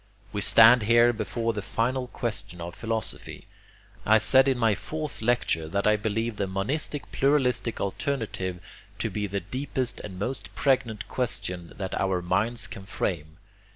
We stand here before the final question of philosophy. I said in my fourth lecture that I believed the monistic pluralistic alternative to be the deepest and most pregnant question that our minds can frame.